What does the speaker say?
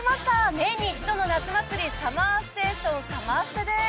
年に一度の夏祭りＳＵＭＭＥＲＳＴＡＴＩＯＮサマステです！